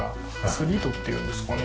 つり戸っていうんですかね